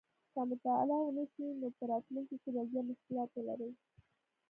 که مطالعه ونه شي نو په راتلونکي کې به زیات مشکلات ولري